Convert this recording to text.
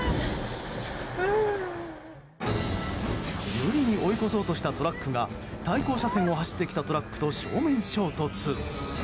無理に追い越そうとしたトラックが対向車線を走ってきたトラックと正面衝突。